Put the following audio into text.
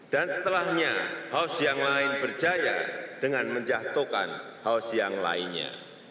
dan setelahnya house yang lain berjaya dengan menjatuhkan house yang lainnya